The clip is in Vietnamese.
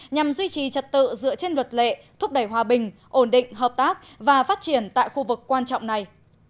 nhằm duy trì trật tự dựa trên luật lệ thúc đẩy hòa bình ổn định hợp tác và phát triển tại khu vực quan trọng này